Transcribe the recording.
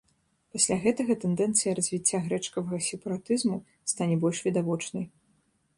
Пасля гэтага тэндэнцыя развіцця грэчкавага сепаратызму стане больш відавочнай.